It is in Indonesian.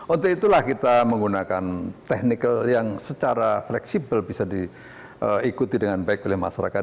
untuk itulah kita menggunakan technical yang secara fleksibel bisa diikuti dengan baik oleh masyarakat